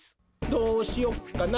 どうしよっかな。